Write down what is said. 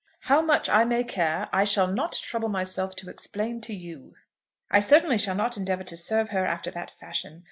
"How much I may care I shall not trouble myself to explain to you. I certainly shall not endeavour to serve her after that fashion.